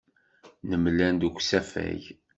Nemlal deg usafag.